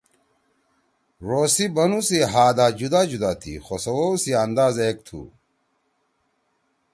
ڙو سی بنُو سی ہآ دا جُدا جُدا تھی خو سوَو سی انداز ایک تُھو۔